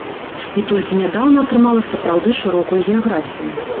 І толькі нядаўна атрымала сапраўды шырокую геаграфію.